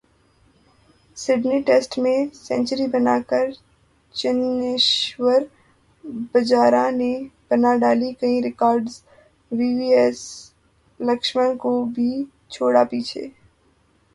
Sydney test میں century بناکر چتیشور پجارا نے بناڈالے کئی records, V V S Laxman کو بھی چھوڑا پیچھے